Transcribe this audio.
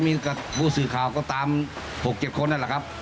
ก็มีกับผู้สื่อข่าวก็ตาม๖๗คนนะครับ